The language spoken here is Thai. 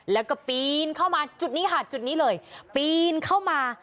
แล้วก็ปีนเข้ามาจุดนี้เเหล่ะปีนเข้ามา